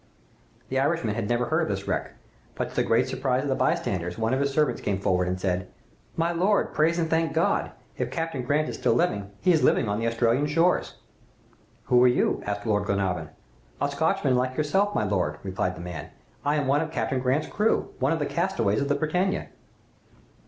"The Irishman had never heard of this wreck, but, to the great surprise of the bystanders, one of his servants came forward and said, "'My lord, praise and thank God! If Captain Grant is still living, he is living on the Australian shores.' "'Who are you?' asked Lord Glenarvan. "'A Scotchman like yourself, my lord,' replied the man; 'I am one of Captain Grant's crew one of the castaways of the "Britannia.